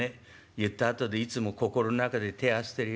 言ったあとでいつも心の中で手ぇ合わせてるよ。